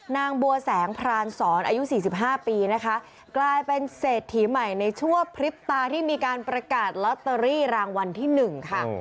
นางบัวแสงพรานสอนอายุสี่สิบห้าปีนะคะกลายเป็นเศรษฐีใหม่ในชั่วพริบตาที่มีการประกาศลอตเตอรี่รางวัลที่หนึ่งค่ะ